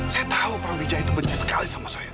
saya tahu perang wijaya itu benci sekali sama saya